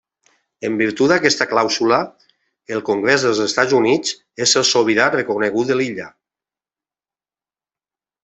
En virtut d'aquesta clàusula, el Congrés dels Estats Units és el sobirà reconegut de l'illa.